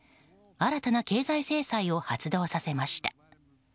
新たな経済制裁を発動させました。